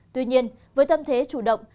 tuy nhiên với tâm thế chủ động